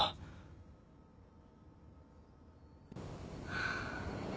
ハァ。